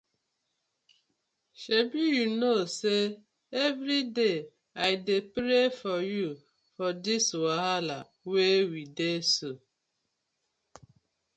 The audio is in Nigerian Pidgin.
Shebi yu kno say everyday I dey pray for yu for this wahala wey we dey so.